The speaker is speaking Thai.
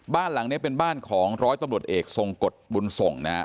บ้านหลังนี้เป็นบ้านของร้อยตำรวจเอกทรงกฎบุญส่งนะฮะ